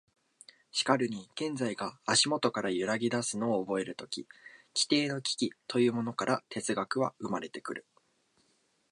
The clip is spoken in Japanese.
しかるに現実が足下から揺ぎ出すのを覚えるとき、基底の危機というものから哲学は生まれてくる。